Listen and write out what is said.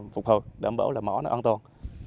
phục hồi đảm bảo là mỏ nó an toàn